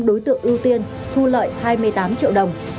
đối tượng ưu tiên thu lợi hai mươi tám triệu đồng